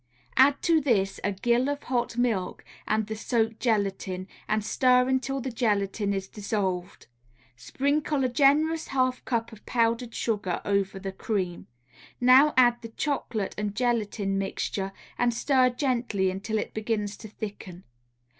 Add to this a gill of hot milk and the soaked gelatine, and stir until the gelatine is dissolved. Sprinkle a generous half cupful of powdered sugar over the cream. Now add the chocolate and gelatine mixture and stir gently until it begins to thicken.